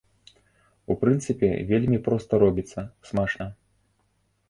У прынцыпе, вельмі проста робіцца, смачна.